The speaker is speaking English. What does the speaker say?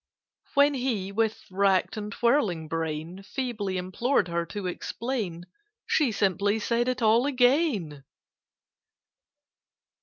When he, with racked and whirling brain, Feebly implored her to explain, She simply said it all again.